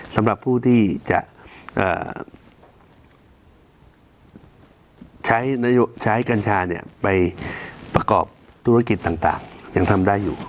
สำหรับผู้ที่จะใช้กัญชาไปประกอบธุรกิจต่างยังทำได้อยู่